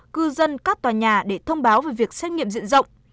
cư dân các tòa nhà để thông báo về việc xét nghiệm diện rộng